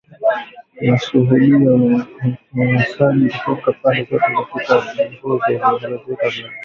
Tunashuhudia unyanyasaji kutoka pande zote katika mzozo aliongeza Valentine